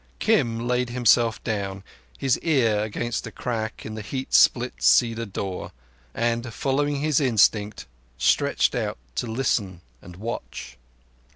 Kim laid himself down, his ear against a crack in the heat split cedar door, and, following his instinct, stretched out to listen and watch.